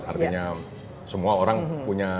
artinya semua orang punya